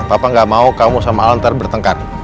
papa gak mau kamu sama al ntar bertengkar